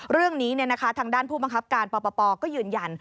เรื่องนี้เนี่ยนะคะทางด้านผู้มังครับการปปก็ยืนยัน